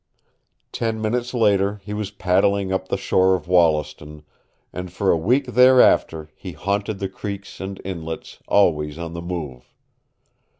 Ten minutes later he was paddling up the shore of Wollaston, and for a week thereafter he haunted the creeks and inlets, always on the move.